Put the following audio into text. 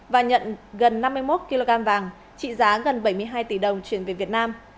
và nhận gần năm mươi một kg vàng trị giá gần bảy mươi hai tỷ đồng chuyển về việt nam